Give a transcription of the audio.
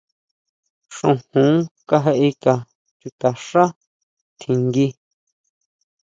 Xojón kajeʼeka chutaxá tjinguí.